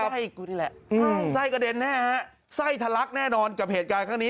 ไซค์ก็เด็นแน่ฮะไซค์ทะลักแน่นอนกับเหตุการณ์ข้างนี้